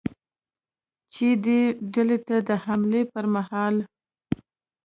چې دې ډلې ته د حملې پرمهال ل